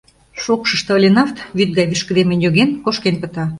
Шокшышто оленафт, вӱд гай вишкыдемын йоген, кошкен пыта.